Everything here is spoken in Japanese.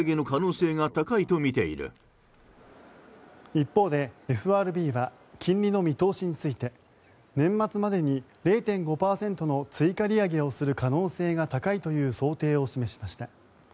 一方で、ＦＲＢは金利の見通しについて年末までに０．５％の追加利上げをする可能性が高いという想定を示しました。